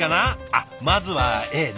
あっまずはＡね。